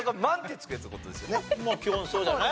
まあ基本そうじゃない？